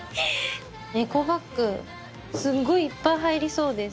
エコバッグすごいいっぱい入りそうです。